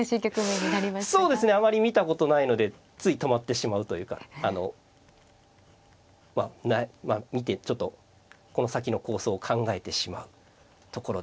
そうですねあまり見たことないのでつい止まってしまうというかあのまあ見てちょっとこの先の構想を考えてしまうところですね。